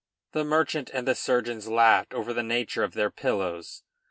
The merchant and the surgeons laughed over the nature of their pillows.